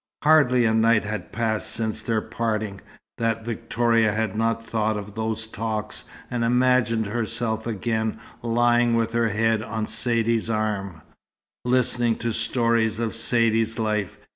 Hardly a night had passed since their parting, that Victoria had not thought of those talks, and imagined herself again lying with her head on Saidee's arm, listening to stories of Saidee's life.